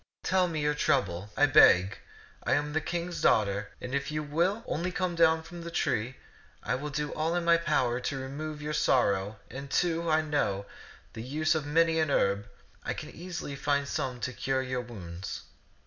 Tell me your trouble, I beg. I am a king's daughter, and if you will only come down from the tree, I will do all in my power to remove your sorrow ; and, too, I know the use of many an herb, and I can easily find some to cure your wounds."